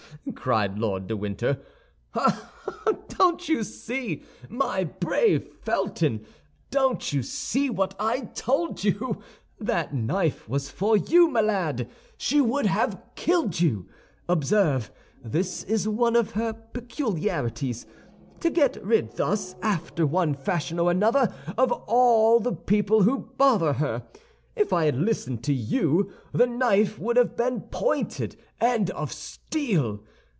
cried Lord de Winter; "ha, ha! Don't you see, my brave Felton; don't you see what I told you? That knife was for you, my lad; she would have killed you. Observe, this is one of her peculiarities, to get rid thus, after one fashion or another, of all the people who bother her. If I had listened to you, the knife would have been pointed and of steel.